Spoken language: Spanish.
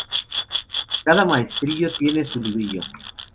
Cada maestrillo tiene su librillo